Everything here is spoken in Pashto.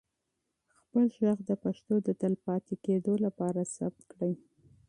خپل ږغ د پښتو د تلپاتې کېدو لپاره ثبت کړئ.